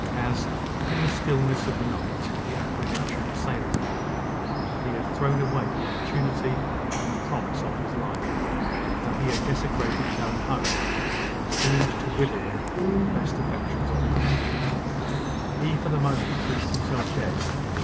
As, in the stillness of the night, the apprehension assailed him, that he had thrown away the opportunity and the promise of his life that he had desecrated his own home, and doomed to withering the best affections of his nature, he for the moment wished himself dead.